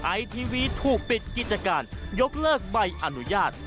ไอทีวีถูกปิดกิจการยกเลิกใบอนุญาต